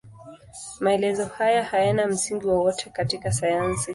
Maelezo hayo hayana msingi wowote katika sayansi.